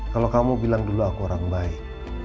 kalau kamu bilang dulu aku orang baik